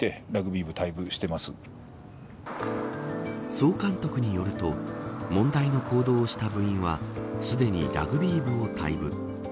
総監督によると問題の行動をした部員はすでにラグビー部を退部。